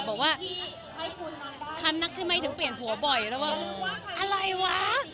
บอกว่าคำนักใช่ไหมถึงเปลี่ยนผัวบ่อยแล้วว่าอะไรวะ